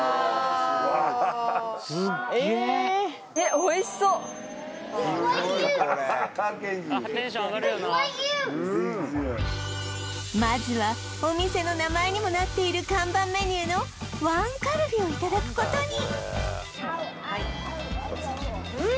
ええっまずはお店の名前にもなっている看板メニューのワンカルビをいただくことにＮｏ．１？